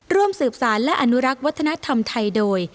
ร่วมสืบสารและอนุรักษ์วัฒนธรรมไทยโดย